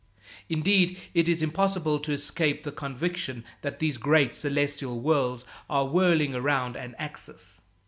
Indeed, it is impossible to escape the conviction that these great celestial whorls are whirling around an axis.